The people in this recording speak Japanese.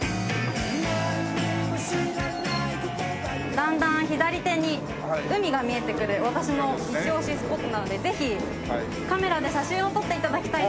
だんだん左手に海が見えてくる私のイチオシスポットなのでぜひカメラで写真を撮って頂きたいと思います。